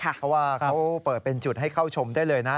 เพราะว่าเขาเปิดเป็นจุดให้เข้าชมได้เลยนะ